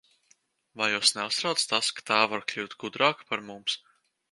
Vai jūs neuztrauc tas, ka tā var kļūt gudrāka par mums?